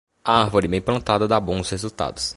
A árvore bem plantada dá bons resultados.